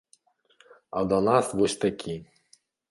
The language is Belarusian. А да нас вось такі.